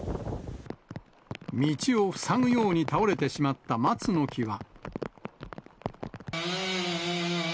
道を塞ぐように倒れてしまった松の木は。